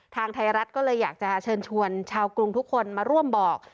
ทางไทยรัฐก็เลยอยากจะเชิญชวนชาวกรุงทุกคนมาร่วมบอก